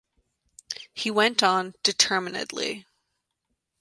He went on determinedly.